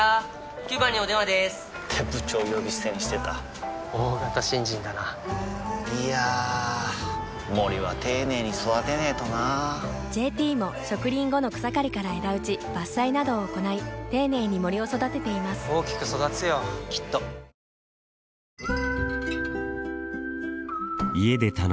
９番にお電話でーす！って部長呼び捨てにしてた大型新人だないやー森は丁寧に育てないとな「ＪＴ」も植林後の草刈りから枝打ち伐採などを行い丁寧に森を育てています大きく育つよきっと続いてはプライチ。